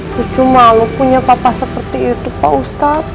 cucu malu punya bapak seperti itu pak ustaz